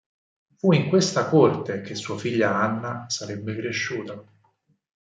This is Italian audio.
Fu in questa corte che sua figlia Anna sarebbe cresciuta.